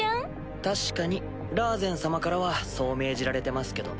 確かにラーゼン様からはそう命じられてますけどね。